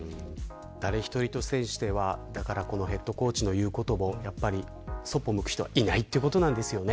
誰一人として選手たちはヘッドコーチの言うことをそっぽ向く人はいないということなんですよね。